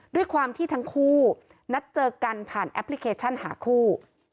ด้วยความที่ทั้งคู่นัดเจอกันผ่านแอปพลิเคชันหาคู่